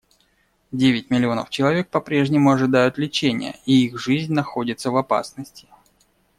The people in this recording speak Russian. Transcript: Девять миллионов человек попрежнему ожидают лечения, и их жизнь находится в опасности.